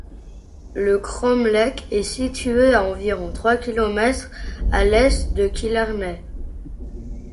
Le cromlech est situé à environ trois kilomètres à l'est de Killarney.